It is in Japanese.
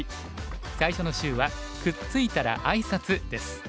最初の週は「くっついたらあいさつ」です。